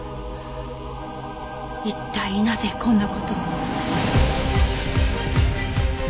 一体なぜこんな事を？